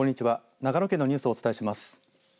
長野県のニュースをお伝えします。